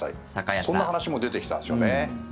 そんな話も出てきたんですよね。